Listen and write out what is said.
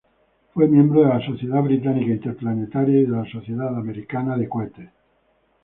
Fue miembro de la Sociedad Británica Interplanetaria y de la Sociedad Americana de Cohetes.